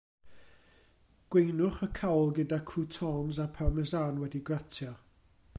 Gweinwch y cawl gyda croûtons a Parmesan wedi'i gratio.